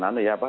nah ya pak